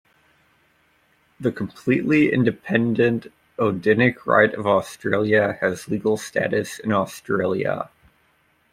The completely independent Odinic Rite of Australia has legal status in Australia.